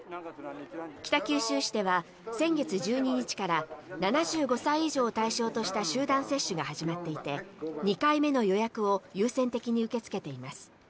北九州市では先月１２日から７５歳以上を対象とした集団接種が始まっていて２回目の予約を優先的に受け付けています。